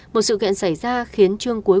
một sự kiện xảy ra khiến chương cuối